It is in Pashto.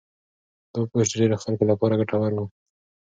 دا پوسټ د ډېرو خلکو لپاره ګټور و.